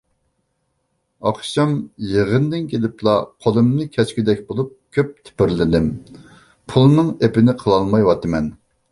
ئاخشام يىغىندىن كېلىپلا قولۇمنى كەسكۈدەك بولۇپ كۆپ تېپىرلىدىم، پۇلنىڭ ئېپىنى قىلالمايۋاتىمەن.